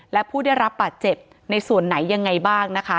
และผู้ได้รับบาดเจ็บในส่วนไหนยังไงบ้างนะคะ